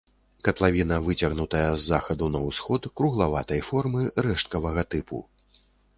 Катлавіна выцягнутая з захаду на ўсход, круглаватай формы, рэшткавага тыпу.